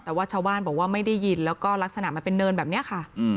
แต่ว่าชาวบ้านบอกว่าไม่ได้ยินแล้วก็ลักษณะมันเป็นเนินแบบนี้ค่ะ